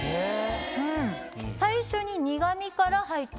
最初に苦みから入ってきます。